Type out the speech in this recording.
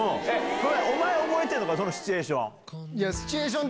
お前、覚えてるのか、そのシチュエーション。